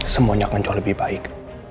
semuanya akan jauh lebih baik